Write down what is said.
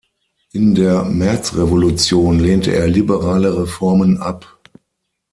In der Märzrevolution lehnte er liberale Reformen ab.